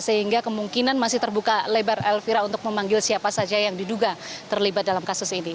sehingga kemungkinan masih terbuka lebar elvira untuk memanggil siapa saja yang diduga terlibat dalam kasus ini